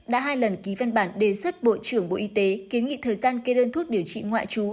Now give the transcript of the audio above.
đã hai lần ký văn bản đề xuất bộ trưởng bộ y tế kiến nghị thời gian kê đơn thuốc điều trị ngoại trú